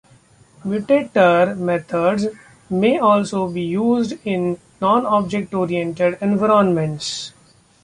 Mutator methods may also be used in non-object-oriented environments.